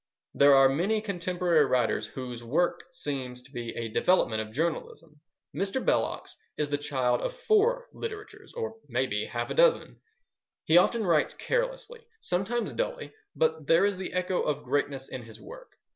There are many contemporary writers whose work seems to be a development of journalism. Mr. Belloc's is the child of four literatures, or, maybe, half a dozen. He often writes carelessly, sometimes dully but there is the echo of greatness in his work.